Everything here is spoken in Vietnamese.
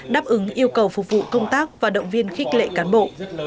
đáp ứng yêu cầu phục vụ công tác và động viên khích lệ cán bộ